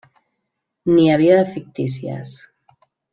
N'hi havia de fictícies.